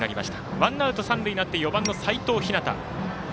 ワンアウト、三塁になって４番の齋藤陽。